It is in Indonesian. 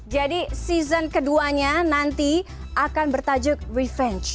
jadi season keduanya nanti akan bertajuk revenge